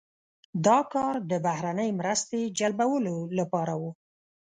دا کار د بهرنۍ مرستې جلبولو لپاره و.